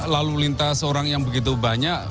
lalu lintas orang yang begitu banyak